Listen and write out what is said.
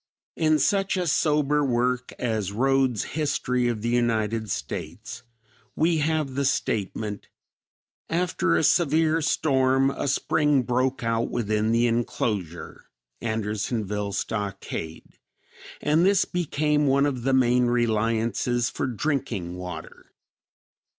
In such a sober work as Rhodes History of the United States, we have the statement, "After a severe storm a spring broke out within the enclosure (Andersonville stockade) and this became one of the main reliances for drinking water."